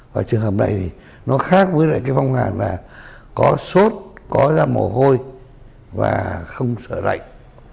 và trường hợp này thì nó khác với lại cái phong hàn là có sốt có ra mồ hôi và không sợ lạnh